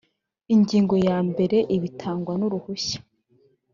ingingo ya mbere ibitangwa n uruhushya